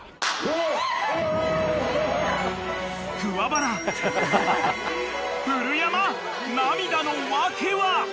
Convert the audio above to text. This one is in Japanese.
［桑原古山涙の訳は？］